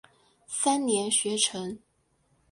三年学成。